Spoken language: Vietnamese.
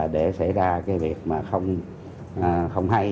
để xảy ra cái việc mà không hay